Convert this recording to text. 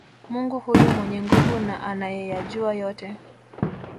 Mungu huyu mwenye nguvu na anayeyajua yote